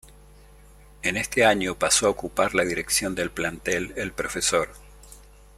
En este año pasó a ocupar la dirección del plantel el Prof.